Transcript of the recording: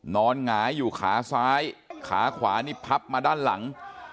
หงายอยู่ขาซ้ายขาขวานี่พับมาด้านหลัง